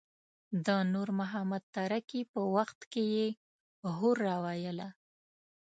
د نور محمد تره کي په وخت کې يې هورا ویله.